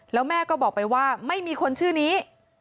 แล้วแม่ก็บอกไปว่าไม่มีคนชื่อนี้